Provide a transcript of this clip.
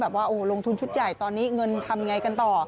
แบบว่าโอ้โหลงทุนชุดใหญ่ตอนนี้เงินทำอย่างไรกันต่อ